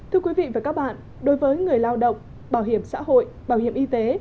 thưa quý vị và các bạn đối với người lao động bảo hiểm xã hội bảo hiểm y tế